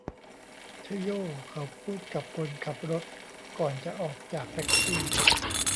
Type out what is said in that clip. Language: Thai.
ไชโยเขาพูดกับคนขับรถก่อนจะออกจากแท็กซี่